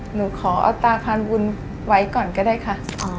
หนูขอเอาตาพานบุญไว้ก่อนก็ได้ค่ะ